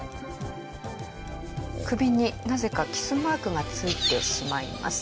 首になぜかキスマークがついてしまいます。